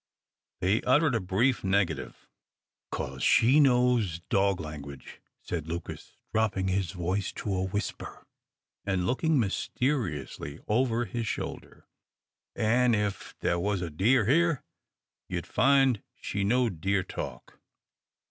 They uttered a brief negative. "'Cause she knows dog language," said Lucas, dropping his voice to a whisper, and looking mysteriously over his shoulder, "an' if there was a deer here, you'd find she knowed deer talk.